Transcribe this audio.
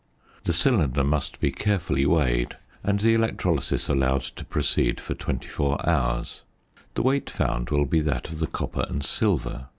The cylinder must be carefully weighed, and the electrolysis allowed to proceed for 24 hours. The weight found will be that of the copper and silver.